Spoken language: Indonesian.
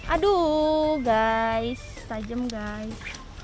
aduh guys tajem guys